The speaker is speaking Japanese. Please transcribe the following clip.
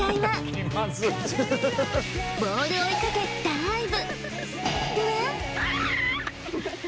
ボールを追いかけダイブ！